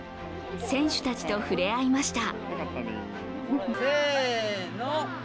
選手たちとふれあいました。